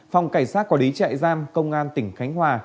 phòng cảnh sát quả lý chạy giam công an tỉnh khánh hòa